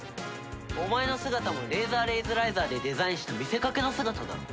お前の姿もレーザーレイズライザーでデザインした見せかけの姿だろ。